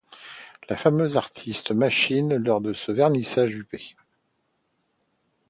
La fameuse artiste Machine lors de ce vernissage huppé.